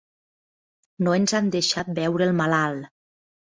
No ens han deixat veure el malalt.